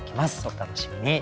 お楽しみに。